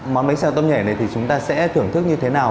món bánh xèo tôm nhảy này thì chúng ta sẽ thưởng thức như thế nào